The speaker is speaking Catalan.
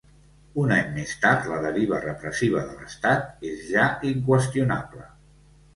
Un any més tard, la deriva repressiva de l’estat és ja inqüestionable.